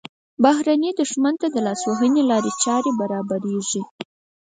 بهرني دښمن ته د لاسوهنې لارې چارې برابریږي.